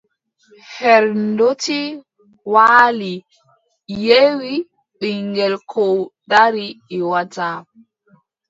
Her ndotti waali ƴeewi, ɓiŋngel koo dari ƴeewataa.